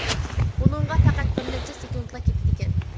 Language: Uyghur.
بۇنىڭغا پەقەت بىر نەچچە سېكۇنتلا كېتىدىكەن.